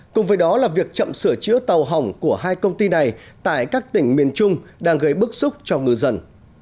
cùng với đó là việc chậm sửa chữa tàu hỏng của hai công ty này tại các tỉnh miền trung đang gây bức xúc cho ngư dân